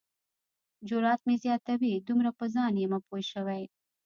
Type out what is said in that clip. جرات مې زیاتوي دومره په ځان یمه پوه شوی.